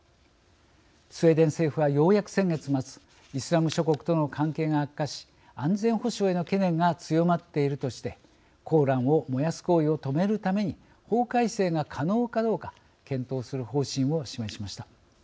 スウェーデン政府はようやく先月末イスラム諸国との関係が悪化し安全保障への懸念が強まっているとしてコーランを燃やす行為を止めるために法改正が可能かどうか検討する方針を示しました。